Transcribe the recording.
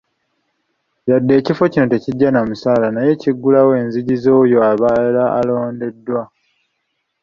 Wadde ekifo kino tekijja na musaala naye kiggulawo enzigi z'oyo abeera alondeddwa.